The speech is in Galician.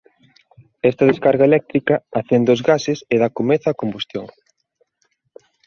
Esta descarga eléctrica acende os gases e da comezo á combustión.